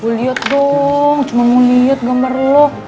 gua liat dong cuma mau liat gambar lo